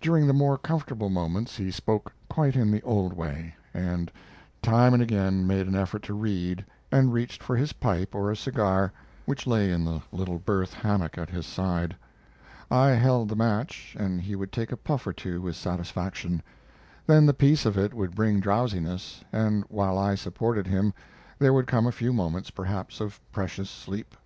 During the more comfortable moments he spoke quite in the old way, and time and again made an effort to read, and reached for his pipe or a cigar which lay in the little berth hammock at his side. I held the match, and he would take a puff or two with satisfaction. Then the peace of it would bring drowsiness, and while I supported him there would come a few moments, perhaps, of precious sleep.